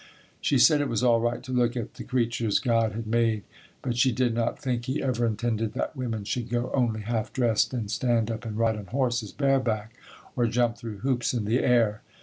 She said it was all right to look at the creatures God had made but she did not think He ever intended that women should go only half dressed and stand up and ride on horses bare back, or jump through hoops in the air.